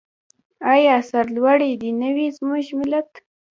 آیا سرلوړی دې نه وي زموږ ملت؟